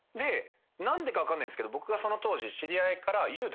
何でか分かんないんですけど僕がその当時知り合いから。